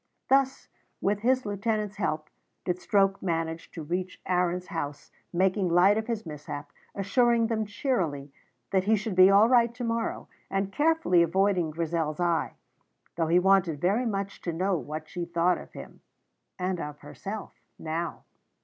Thus, with his lieutenant's help, did Stroke manage to reach Aaron's house, making light of his mishap, assuring them cheerily that he should be all right to morrow, and carefully avoiding Grizel's eye, though he wanted very much to know what she thought of him (and of herself) now.